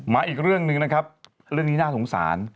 อีกเรื่องหนึ่งนะครับเรื่องนี้น่าสงสาร